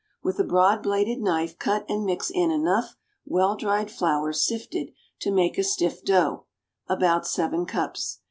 With a broad bladed knife cut and mix in enough well dried flour, sifted, to make a stiff dough (about seven cups).